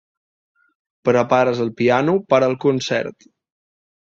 Prepares el piano per al concert.